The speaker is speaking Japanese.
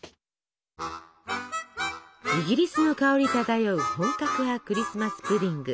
イギリスの香り漂う本格派クリスマス・プディング。